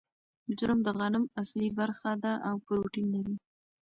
جرم د غنم اصلي برخه ده او پروټین لري.